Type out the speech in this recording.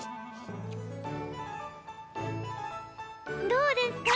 どうですか？